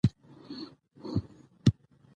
هر لوبغاړی ځانګړې ونډه لري.